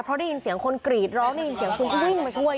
เพราะได้ยินเสียงคนกรีดร้องได้ยินเสียงคุณก็วิ่งมาช่วย